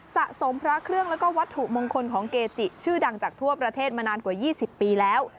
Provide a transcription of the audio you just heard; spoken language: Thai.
สะสมพระเครื่องแล้วก็วัตถุมงคลของเกจิชื่อดังจากทั่วประเทศมานานกว่า๒๐ปีแล้ว